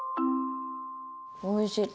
おいしい。